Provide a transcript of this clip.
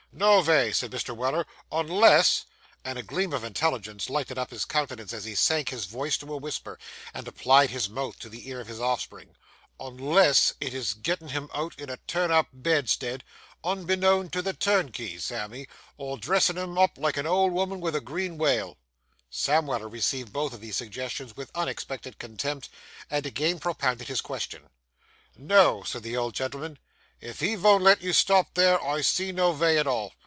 'No vay,' said Mr. Weller, 'unless' and a gleam of intelligence lighted up his countenance as he sank his voice to a whisper, and applied his mouth to the ear of his offspring 'unless it is getting him out in a turn up bedstead, unbeknown to the turnkeys, Sammy, or dressin' him up like a old 'ooman vith a green wail.' Sam Weller received both of these suggestions with unexpected contempt, and again propounded his question. 'No,' said the old gentleman; 'if he von't let you stop there, I see no vay at all.